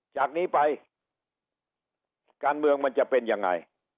จากนี้ไปการเมืองมันจะเป็นยังไง